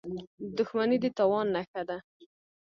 • دښمني د تاوان نښه ده.